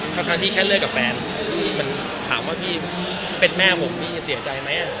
ทั้งที่แค่เลิกกับแฟนพี่มันถามว่าพี่เป็นแม่ผมพี่จะเสียใจไหม